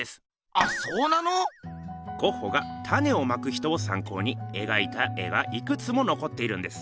あっそうなの⁉ゴッホが「種をまく人」をさんこうに描いた絵がいくつものこっているんです。